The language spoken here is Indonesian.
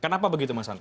kenapa begitu mas agus